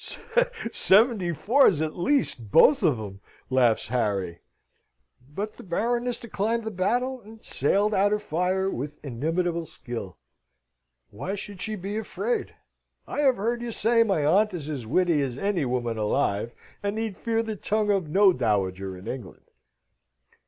"Seventy fours at least both of 'em!" laughs Harry. "But the Baroness declined the battle, and sailed out of fire with inimitable skill." "Why should she be afraid? I have heard you say my aunt is as witty as any woman alive, and need fear the tongue of no dowager in England."